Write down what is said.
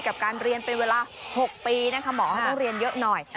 กับการเรียนเป็นเวลา๖ปีนะคะหมอเขาต้องเรียนเยอะหน่อย